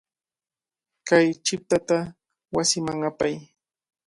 Kay chiqtata wasiman apay.